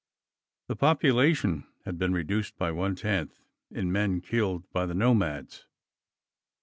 The population had been reduced by one tenth, in men killed by the nomads.